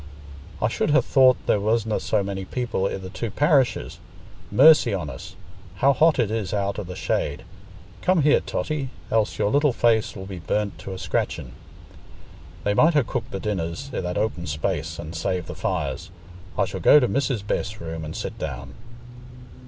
"I should ha' thought there wasna so many people i' the two parishes. Mercy on us! How hot it is out o' the shade! Come here, Totty, else your little face 'ull be burnt to a scratchin'! They might ha' cooked the dinners i' that open space an' saved the fires. I shall go to Mrs. Best's room an' sit down."